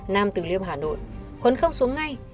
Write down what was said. nam từ liêm hà nội huấn không xuống ngay